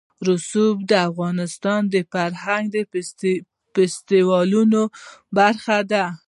رسوب د افغانستان د فرهنګي فستیوالونو برخه ده.